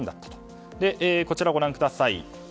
こちらご覧ください。